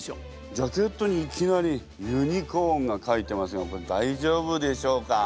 ジャケットにいきなりユニコーンが描いてますがこれ大丈夫でしょうか。